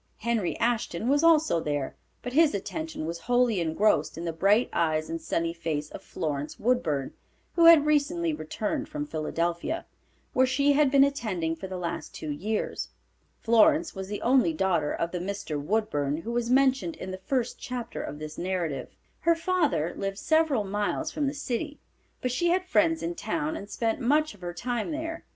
Henry Ashton was also there, but his attention was wholly engrossed in the bright eyes and sunny face of Florence Woodburn, who had recently returned from Philadelphia, where she had been attending for the last two years. Florence was the only daughter of the Mr. Woodburn, who was mentioned in the first chapter of this narrative. Her father lived several miles from the city, but she had friends in town and spent much of her time there.